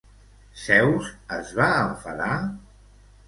Zeus es va enfadar?